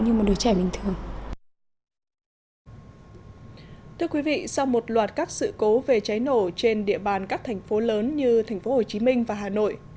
thưa quý vị sau một loạt các sự cố về cháy nổ trên địa bàn các thành phố lớn như tp hcm và hà nội